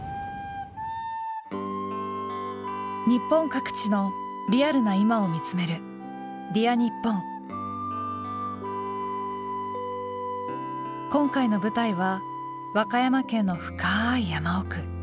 日本各地のリアルな今を見つめる今回の舞台は和歌山県の深い山奥。